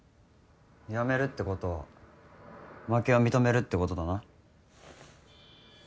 辞めるってことは負けを認めるってことだな？